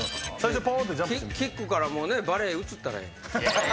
キックからもうねバレー移ったらええねん。